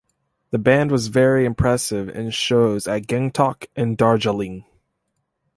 The band was very impressive in shows at gangtok and darjeeling.